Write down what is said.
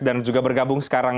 dan juga bergabung sekarang